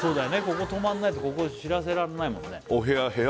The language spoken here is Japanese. ここ泊まんないとここ知らせらんないもんね